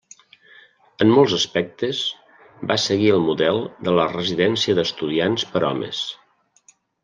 En molts aspectes va seguir el model de la Residencia d'Estudiantes per a homes.